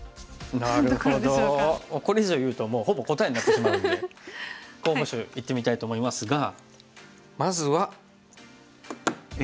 これ以上言うとほぼ答えになってしまうんで候補手いってみたいと思いますがまずはＡ。